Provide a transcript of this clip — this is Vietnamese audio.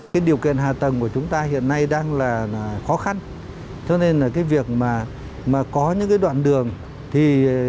cái điều kiện hạ tầng của chúng ta hiện nay đang là khó khăn cho nên là cái việc mà có những cái đoạn đường thì